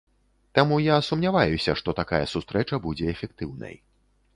Таму я сумняваюся, што такая сустрэча будзе эфектыўнай.